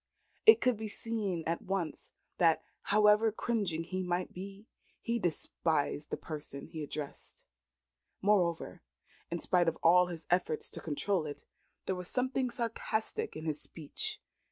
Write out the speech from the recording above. It could be seen at once that, however cringing he might be, he despised the person he addressed. Moreover, in spite of all his efforts to control it, there was something sarcastic in his speech.